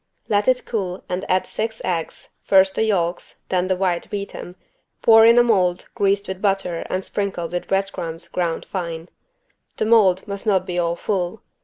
Let it cool and add six eggs, first the yolks, then the white beaten, pour in a mold greased with butter and sprinkled with bread crumbs ground fine. The mold must not be all full.